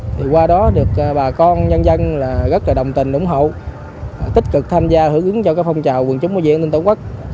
thì qua đó được bà con nhân dân là rất là đồng tình ủng hộ tích cực tham gia hữu ứng cho cái phong trào quần chống mối diện an ninh tổ quốc